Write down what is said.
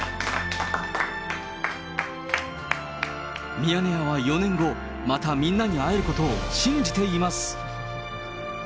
ミヤネ屋は４年後、またみんなに会えることを信じています。